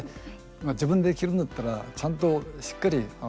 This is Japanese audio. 自分で着るんだったらちゃんとしっかり